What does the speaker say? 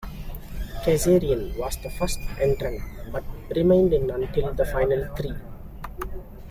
Kazarian was the first entrant, but remained in until the final three.